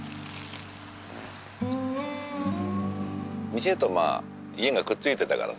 店と家がくっついてたからさ